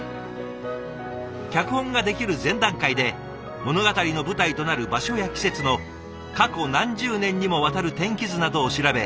脚本が出来る前段階で物語の舞台となる場所や季節の過去何十年にもわたる天気図などを調べ